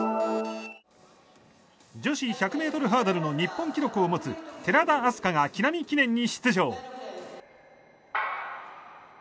女子１００ｍハードルの日本記録を持つ寺田明日香が木南記念に出場。